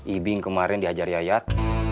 ibing kemarin diajar yayat